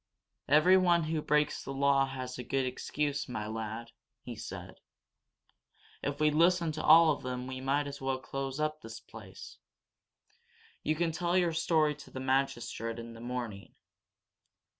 "Everyone who breaks the law has a good excuse, my lad," he said. "If we listened to all of them we might as well close up this place. You can tell your story to the magistrate in the morning.